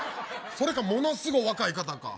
それか、ものすごい若い方か。